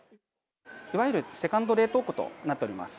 いわゆるセカンド冷凍庫となっております。